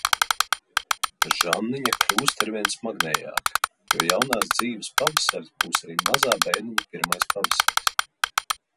Žanniņa kļūst aizvien smagnējāka, jo jaunās dzīves pavasaris būs arī mazā bērniņa pirmais pavasaris.